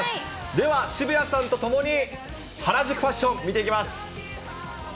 では渋谷さんとともに原宿ファッション、見ていきます。